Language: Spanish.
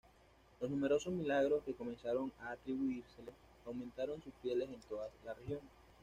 Los numerosos milagros que comenzaron a atribuírsele aumentaron sus fieles en toda la región.